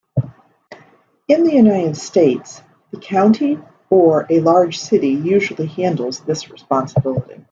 In the United States, the county or a large city usually handles this responsibility.